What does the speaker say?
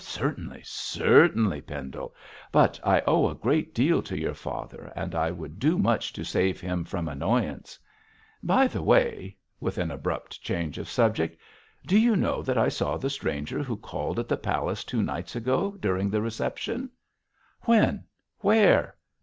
'Certainly, certainly, Pendle; but I owe a great deal to your father, and I would do much to save him from annoyance. By the way,' with an abrupt change of subject, 'do you know that I saw the stranger who called at the palace two nights ago during the reception?' 'When? Where?'